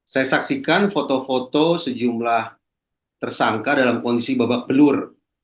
saya saksikan foto foto sejumlah tersangka dalam kondisi babak belur